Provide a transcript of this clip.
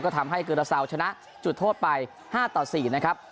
ก็ทำให้กือลาซาวชนะจุดโทษไปห้าต่อสี่นะครับ